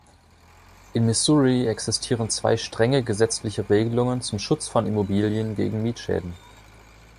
In Missouri existieren zwei strenge gesetzliche Regelungen zum Schutz von Immobilien gegen Mietschäden.